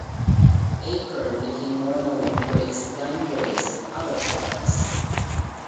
Acorn became more known for its than for its other products.